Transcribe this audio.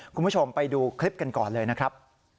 คุณผู้ชมไปดูคลิปกันก่อนเลยนะครับ